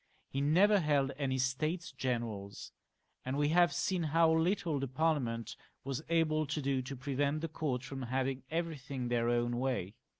He never held any States Generals, and we have seen how little the Parliament was able to do to prevent the court from having everything their own way.